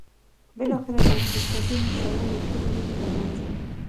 بالاخره د اقتصادي هوساینې ټولې هیلې له منځه وړي.